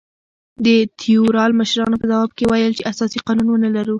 د تیورال مشرانو په ځواب کې ویل چې اساسي قانون ونه لرو.